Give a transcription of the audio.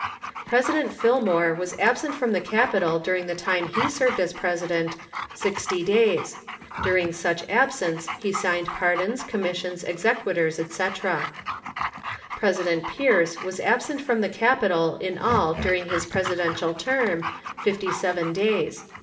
President Fillmore was absent from the capital during the time he served as President sixty days. During such absence he signed pardons, commissions, exequaturs, etc. President Pierce was absent from the capital in all during his Presidential term fifty seven days.